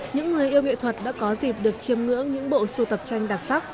những người yêu nghệ thuật đã có dịp được chiêm ngưỡng những bộ sưu tập tranh đặc sắc